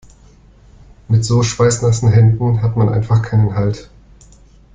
Mit so schweißnassen Händen hat man einfach keinen Halt.